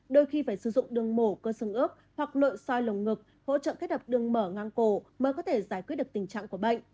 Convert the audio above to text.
đôi khi phải sử dụng đường mổ cơ xương ướp hoặc nội soi lồng ngực hỗ trợ kết hợp đường mở ngang cổ mới có thể giải quyết được tình trạng của bệnh